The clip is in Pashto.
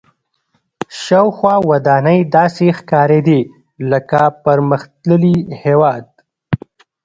شاوخوا ودانۍ داسې ښکارېدې لکه پرمختللي هېواد.